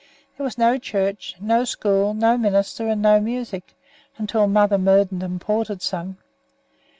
There was no church, no school, no minister, and no music, until Mother Murden imported some.